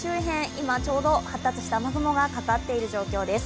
今、ちょうど発達した雨雲がかかっている状況です。